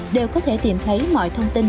đều có thể tìm thấy mọi thông tin